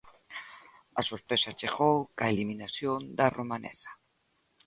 A sorpresa chegou coa eliminación da romanesa.